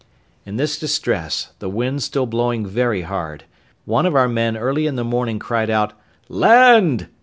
In this distress, the wind still blowing very hard, one of our men early in the morning cried out, "Land!"